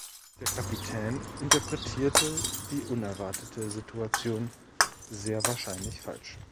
Der Kapitän interpretierte die unerwartete Situation sehr wahrscheinlich falsch.